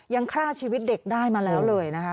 ฆ่าชีวิตเด็กได้มาแล้วเลยนะคะ